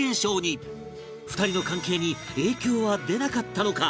２人の関係に影響は出なかったのか？